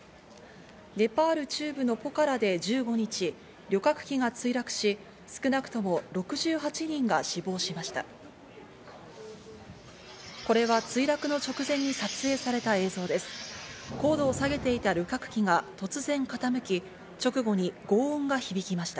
ネパール中部のポカラで１５日、旅客機が墜落し、少なくとも６８人が死亡しました。